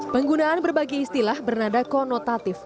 penggunaan berbagai istilah bernada konotatif